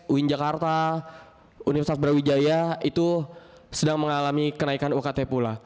uin jakarta universitas brawijaya itu sedang mengalami kenaikan ukt pula